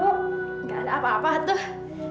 tidak ada apa apa tuh